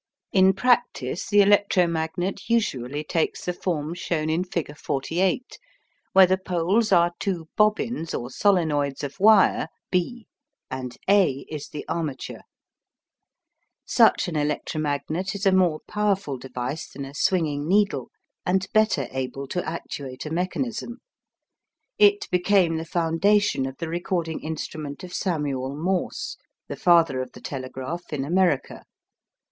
In practice the electromagnet usually takes the form shown in figure 48, where the poles are two bobbins or solenoids of wire 61 having straight cores of iron which are united by an iron bar B, and A is the armature. Such an electromagnet is a more powerful device than a swinging needle, and better able to actuate a mechanism. It became the foundation of the recording instrument of Samuel Morse, the father of the telegraph in America.